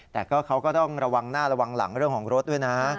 แต่เขาก็ต้องระวังหน้าระวังหลังเรื่องของรถด้วยนะ